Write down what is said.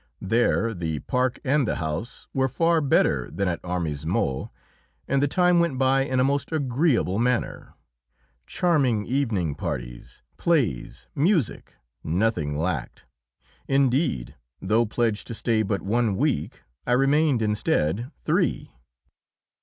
There the park and the house were far better than at Armesmott, and the time went by in a most agreeable manner. Charming evening parties, plays, music nothing lacked; indeed, though pledged to stay but one week, I remained, instead, three.